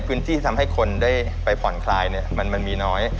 พื้นที่ทำให้คนได้ไปผ่อนคลายเนี่ยมันมีน้อย